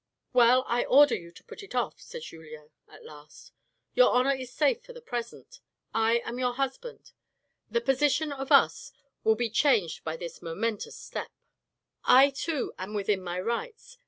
"Well, I order you to put it off," said Julien at last. " Your honour is safe for the present. I am your husband. The position of us will be changed by this momentous step. I too am within my rights.